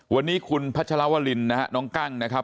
วันนี้คุณพัชรวรินนะฮะน้องกั้งนะครับ